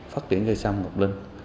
phát triển cây sâm ngọc linh